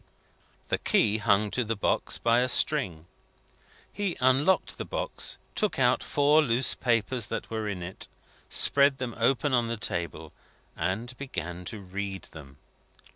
The key hung to the box by a string. He unlocked the box, took out four loose papers that were in it, spread them open on the table, and began to read them.